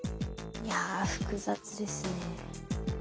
いや複雑ですね。